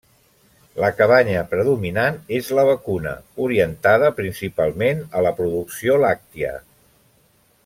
La cabanya predominant és la vacuna, orientada principalment a la producció làctia.